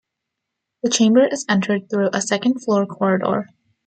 The chamber is entered through a second floor corridor.